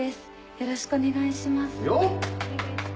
よろしくお願いします